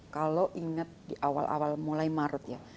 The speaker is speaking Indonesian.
kalau ingat di awal awal mulai maret ya